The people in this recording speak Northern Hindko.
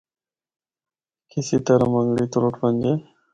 کسے طرحاں منگڑی تُرٹ ونجے۔